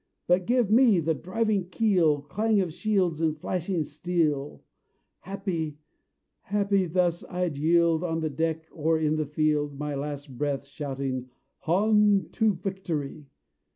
But give me the driving keel, Clang of shields and flashing steel; Happy, happy, thus I'd yield, On the deck or in the field, My last breath, shouting: 'On To victory.'